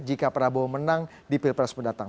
jika prabowo menang di pilpres mendatang